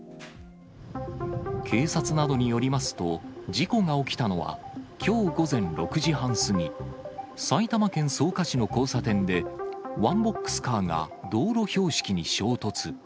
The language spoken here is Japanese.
警察などによりますと、事故が起きたのはきょう午前６時半過ぎ、埼玉県草加市の交差点で、ワンボックスカーが道路標識に衝突。